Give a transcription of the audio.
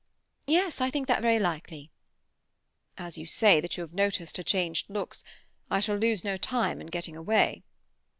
"Yes, I think that very likely." "As you say that you have noticed her changed looks, I shall lose no time in getting away."